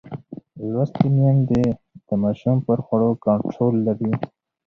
لوستې میندې د ماشوم پر خوړو کنټرول لري.